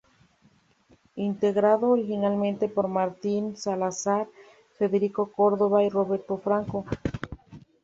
Integrado originalmente por Martín Zalazar, Federico Córdoba y Roberto Franco.